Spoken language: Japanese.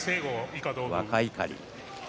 若碇。